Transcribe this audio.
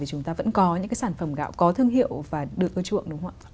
thì chúng ta vẫn có những cái sản phẩm gạo có thương hiệu và được ưa chuộng đúng không ạ